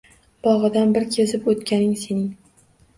Bog’idan bir kezib o’tganing sening.